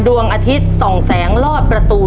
ดวงอาทิตย์ส่องแสงลอดประตู